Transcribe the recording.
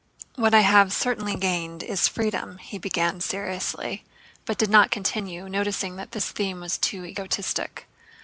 "What I have certainly gained is freedom," he began seriously, but did not continue, noticing that this theme was too egotistic.